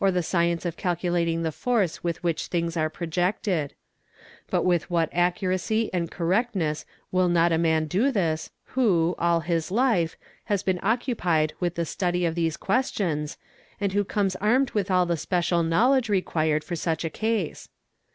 IN PHYSICS 291 4 the science of calculating the force with which things are projected ; but with what accuracy and correctness will not a man do this, who, all his life, has been occupied with the study of these questions and who comes armed with all the special knowledge required for such a case.